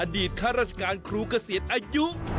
ข้าราชการครูเกษียณอายุ